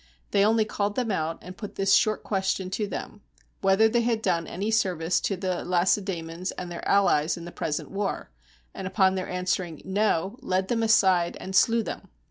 They only called them out, and put this short question to them — "Whether they had done any service to the Lacedaemons and their allies in the present war?" and upon their an swering, "No," led them aside, and slew them.